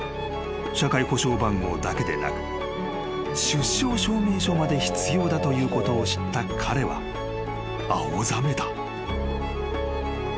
［社会保障番号だけでなく出生証明書まで必要だということを知った彼は青ざめた］